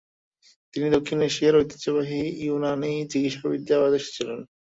তিনি দক্ষিণ এশিয়ার ঐতিহ্যবাহী ইউনানি চিকিৎসাবিদ্যায় পারদর্শী ছিলেন।